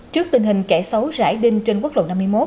trước tình hình kẻ xấu rải đinh trên quốc lộ năm mươi một